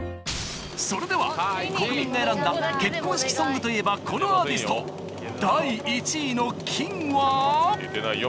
それでは国民が選んだ結婚式ソングといえばこのアーティスト第１位の金は出てないよ